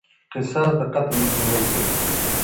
قصاص د قتل مخنيوی کوي.